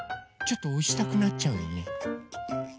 ちょっとおしたくなっちゃうよね。